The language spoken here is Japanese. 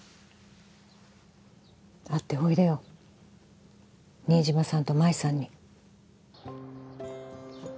会っておいでよ新島さんと麻衣さんに